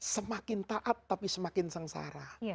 semakin taat tapi semakin sengsara